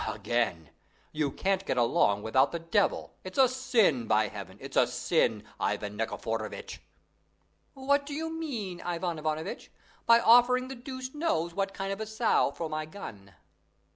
"Again! You can't get along without the devil! It's a sin! by Heaven, it's a sin, Ivan Nikiforovitch!" "What do you mean, Ivan Ivanovitch, by offering the deuce knows what kind of a sow for my gun?"